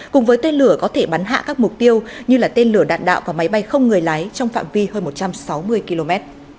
cùng với tên lửa có thể bắn hạ các mục tiêu như tên lửa đạn đạo và máy bay không người lái trong phạm vi hơn một trăm sáu mươi km